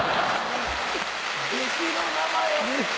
弟子の名前を！